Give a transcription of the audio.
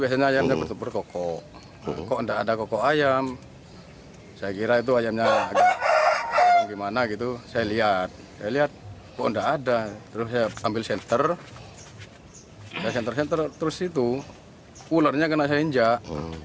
saya senter senter terus itu ularnya kena saya injak